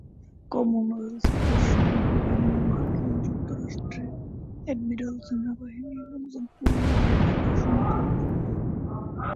Commonwealth দেশসমূহ এবং মার্কিন যুক্তরাষ্ট্রে অ্যাডমিরাল সেনাবাহিনীর একজন "পূর্ণ" জেনারেলের সমতুল্য।